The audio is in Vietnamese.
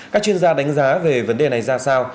các chuyên gia đánh giá về vấn đề này ra sao